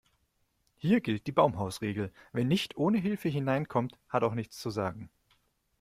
Hier gilt die Baumhausregel: Wer nicht ohne Hilfe hineinkommt, hat auch nichts zu sagen.